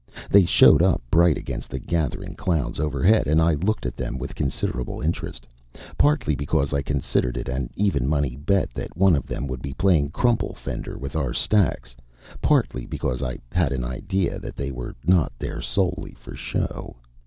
They showed up bright against the gathering clouds overhead, and I looked at them with considerable interest partly because I considered it an even money bet that one of them would be playing crumple fender with our stacks, partly because I had an idea that they were not there solely for show.